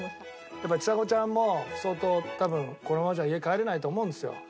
やっぱりちさ子ちゃんも相当多分このままじゃ家帰れないと思うんですよ。